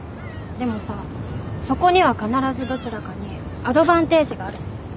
でもさそこには必ずどちらかにアドバンテージがある。